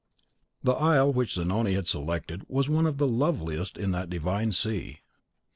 (Homeric Hymn.) The isle which Zanoni had selected was one of the loveliest in that divine sea.